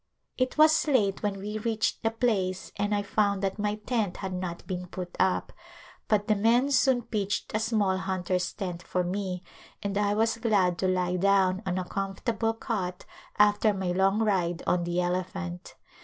It was late when we reached the place and I found that my tent had not been put up, but the men soon pitched a small hunter's tent for me and I was glad to lie down on a comfortable cot after my long ride on the elephant.